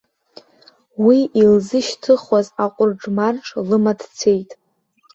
Уи илзышьҭыхуаз аҟәырџ-марџ лыма дцеит.